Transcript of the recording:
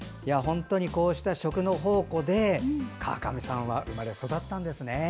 こうした食の宝庫で川上さんは生まれ育ったんですね。